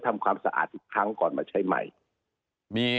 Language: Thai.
ทำความสะอาดอีกครั้งก่อนมาใช้ใหม่